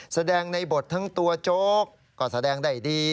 แสดงในบททั้งตัวโจ๊กก็แสดงได้ดี